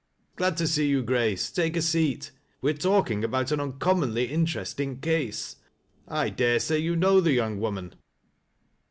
Glad to see you, Grace. Take a seat. We are talking about an uncommonly interesting case. I dare say you know the young woman."